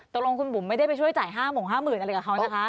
ตกลงคุณบุ๋มไม่ได้ไปช่วยจ่าย๕โมง๕๐๐๐อะไรกับเขานะคะ